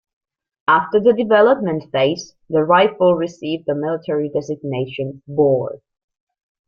After the development phase, the rifle received the military designation 'Bor'.